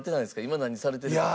今何されてるとか。